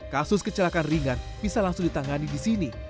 kasus kecelakaan ringan bisa langsung ditangani di sini